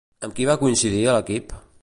Amb qui va coincidir a l'equip?